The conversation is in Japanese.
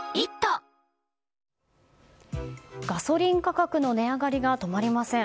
ガソリン価格の値上がりが止まりません。